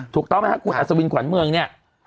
ถูกต้องไหมครับคุณอัศวินขวัญเมืองเนี่ย